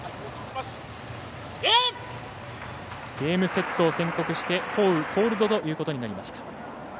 ゲームセットを宣告して降雨コールドということになりました。